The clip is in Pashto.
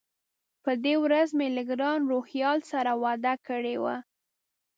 په دې ورځ مې له ګران روهیال سره وعده کړې وه.